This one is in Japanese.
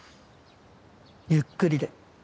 ゆっくりで。